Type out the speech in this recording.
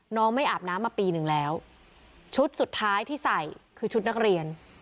น้องไม่อาบน้ำมาปีหนึ่งแล้วชุดสุดท้ายที่ใส่คือชุดนักเรียน